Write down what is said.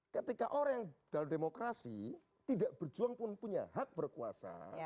ketika orang yang dalam demokrasi tidak berjuang pun punya hak berkuasa